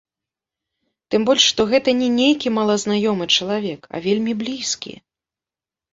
Тым больш, што гэта не нейкі малазнаёмы чалавек, а вельмі блізкі.